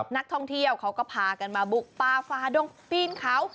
นักท่องเที่ยวเขาก็พากันมาบุกปลาฟาดงปีนเขา